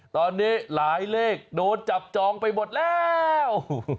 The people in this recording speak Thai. ตอนนี้หลายเลขโดนจับจองไปหมดแล้ว